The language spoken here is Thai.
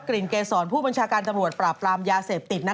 กรรินเกษรนผู้บัญชาการตปราบรามยาเสพติด